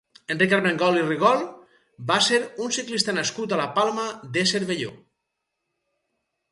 Enric Armengol i Rigol va ser un ciclista nascut a la Palma de Cervelló.